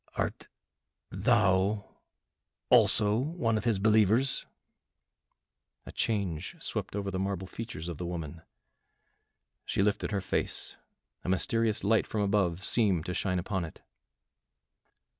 "Art thou also one of his believers?" A change swept over the marble features of the woman, she lifted her face, a mysterious light from above seemed to shine upon it.